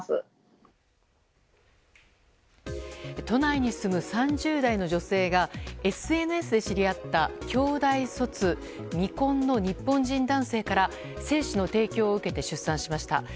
都内に住む３０代の女性がＳＮＳで知り合った京大卒、未婚の日本人男性から精子の提供を受けて出産しました。